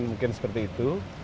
mungkin seperti itu